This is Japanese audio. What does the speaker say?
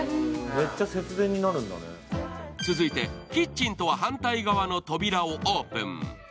続いてキッチンとは反対側の扉をオープン。